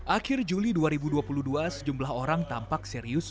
akhir juli dua ribu dua puluh dua sejumlah orang tampak serius